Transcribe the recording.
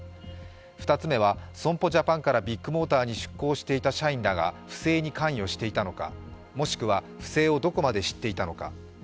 ２つ目は損保ジャパンからビッグモーターに出向していた社員らが不正を把握していたのかもしくは不正をどこまで知っていたのか。